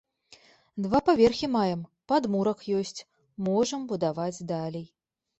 Два паверхі маем, падмурак ёсць, можам будаваць далей.